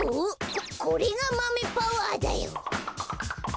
ここれがマメパワーだよ。